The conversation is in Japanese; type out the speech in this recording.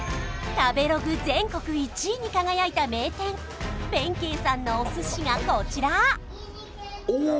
食べログ全国１位に輝いた名店弁慶さんのお寿司がこちらおおー！